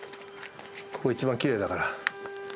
ここ、一番きれいだから。